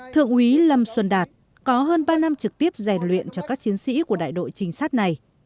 thượng úy lâm xuân đạt có hơn ba năm trực tiếp rèn luyện cho các chiến sĩ của đại đội trinh sát này